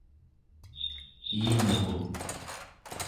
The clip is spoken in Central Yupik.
iinru